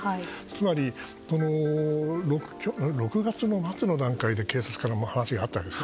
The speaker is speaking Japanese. つまり、６月の末の段階で警察から話があったと。